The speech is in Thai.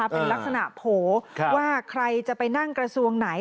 เป็นลักษณะโผล่ว่าใครจะไปนั่งกระทรวงไหน